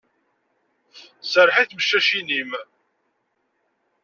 Serreḥ i tmeccacin-im.